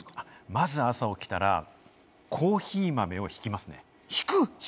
まず朝起きたらコーヒー豆をひきますね。